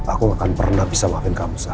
aku gak akan pernah bisa maafin kamu sah